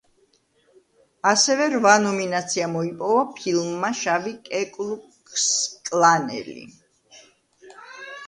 ასევე რვა ნომინაცია მოიპოვა ფილმმა „შავი კუკლუქსკლანელი“.